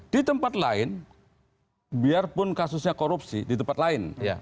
di tempat lain biarpun kasusnya korupsi di tempat lain